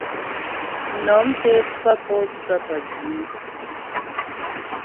Nɔ̀m pé pfə́ pǒtsə pə́jwǐ.